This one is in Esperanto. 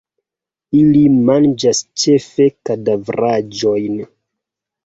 Ili manĝas ĉefe kadavraĵojn.